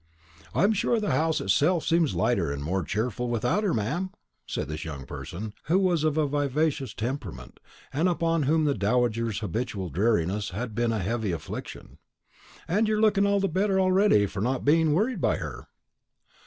"I'm sure the house itself seems lighter and more cheerful like without her, ma'am," said this young person, who was of a vivacious temperament, and upon whom the dowager's habitual dreariness had been a heavy affliction; "and you're looking all the better already for not being worried by her."